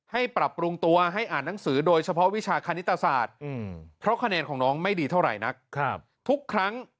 ปรับปรุงตัวให้อ่านหนังสือโดยเฉพาะวิชาคณิตศาสตร์เพราะคะแนนของน้องไม่ดีเท่าไหร่นักทุกครั้ง